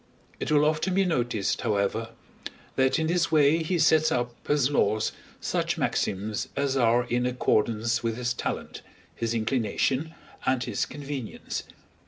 It will often be noticed, however, that in this way he sets up as laws such maxims as are in accordance with his talent, his inclination, and his convenience.